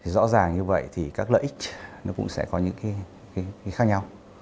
rõ ràng như vậy thì các lợi ích nó cũng sẽ có những cái khác nhau